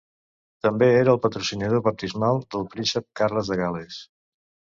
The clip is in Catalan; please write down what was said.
També era el patrocinador baptismal del príncep Carles de Gal·les.